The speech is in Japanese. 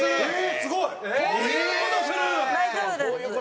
すごいね！